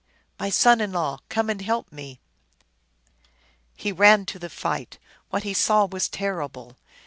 My son in law, come and help me !" He ran to the fight. What he saw was terrible